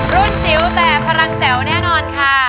จิ๋วแต่พลังแจ๋วแน่นอนค่ะ